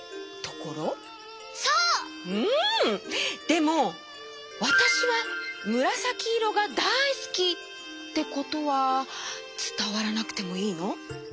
でも「わたしはむらさきいろがだいすき」ってことはつたわらなくてもいいの？